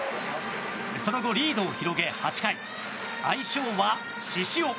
その後、リードを広げ８回愛称は獅子男。